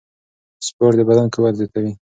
سپورت د بدن قوت زیاتوي.